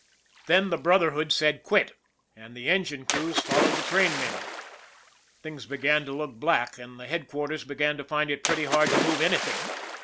Then the Brotherhood said " quit," and the engine crews followed the trainmen. Things began to look black, and headquarters began to find it pretty hard to move anything.